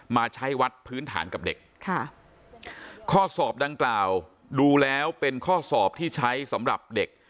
มาใช้วัดพื้นฐานกับเด็กค่ะข้อสอบดังกล่าวดูแล้วเป็นข้อสอบที่ใช้สำหรับเด็ก